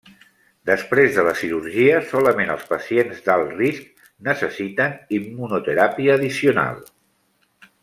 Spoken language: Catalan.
Després de la cirurgia solament els pacients d'alt risc necessiten immunoteràpia addicional.